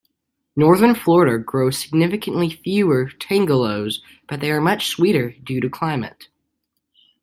Northern Florida grows significantly fewer tangelos, but they are much sweeter due to climate.